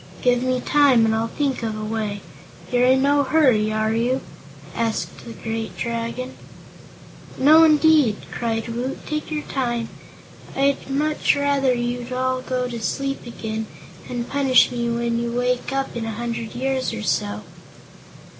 "Give me time and I'll think of a way. You're in no hurry, are you?" asked the great Dragon. "No, indeed," cried Woot. "Take your time. I'd much rather you'd all go to sleep again, and punish me when you wake up in a hundred years or so."